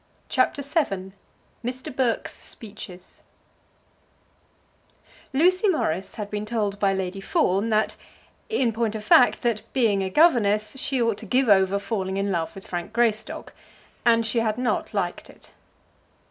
CHAPTER VII Mr. Burke's Speeches Lucy Morris had been told by Lady Fawn that, in point of fact that, being a governess, she ought to give over falling in love with Frank Greystock, and she had not liked it.